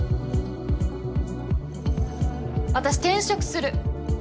私転職する。